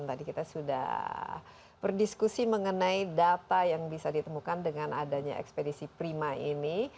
tadi kita sudah berdiskusi mengenai data yang bisa ditemukan dengan adanya ekspedisi prima ini